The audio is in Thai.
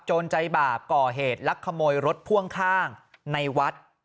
ใจบาปก่อเหตุลักขโมยรถพ่วงข้างในวัด